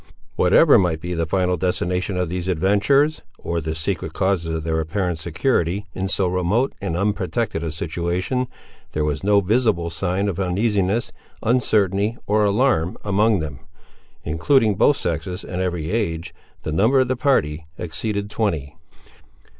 Whatever might be the final destination of these adventurers, or the secret causes of their apparent security in so remote and unprotected a situation, there was no visible sign of uneasiness, uncertainty, or alarm, among them. Including both sexes, and every age, the number of the party exceeded twenty.